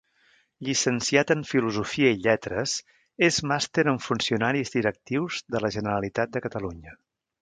Llicenciat en Filosofia i Lletres, és màster en Funcionaris Directius de la Generalitat de Catalunya.